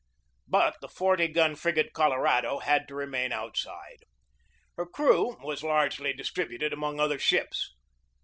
But the forty gun frigate Colorado had to remain outside. Her crew was largely distributed among other ships.